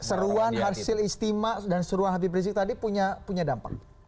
seruan hasil istimewa dan seruan habib rizik tadi punya dampak